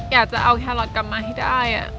อยากจะเอาแครอทกลับมาให้ได้